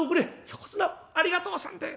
「横綱ありがとうさんで」。